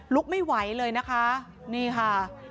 ลุกไม่ไหวเลยนะคะนี่ค่ะ